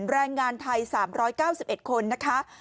แรงงานไทย๓๙๑คนนะคะ